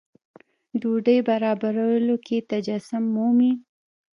ډوډۍ برابرولو کې تجسم مومي.